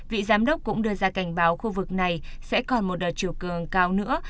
vị giám đốc cũng đưa ra cảnh báo khu vực này sẽ còn một đợt chiều cường cao nữa